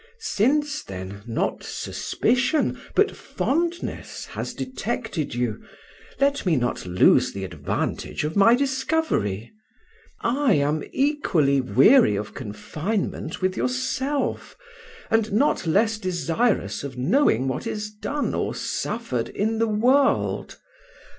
Since, then, not suspicion, but fondness, has detected you, let me not lose the advantage of my discovery. I am equally weary of confinement with yourself, and not less desirous of knowing what is done or suffered in the world.